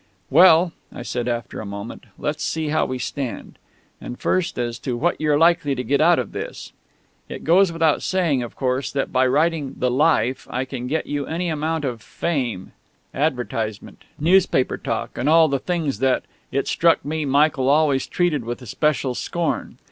"Well," I said after a moment, "let's see how we stand. And first as to what you're likely to get out of this. It goes without saying, of course, that by writing the 'Life' I can get you any amount of 'fame' advertisement, newspaper talk, and all the things that, it struck me, Michael always treated with especial scorn.